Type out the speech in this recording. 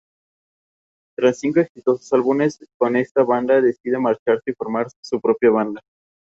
Era aquí donde se celebraban los mercados de frutas y legumbres.